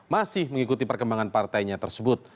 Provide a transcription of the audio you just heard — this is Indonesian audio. masih mengikuti perkembangan partainya tersebut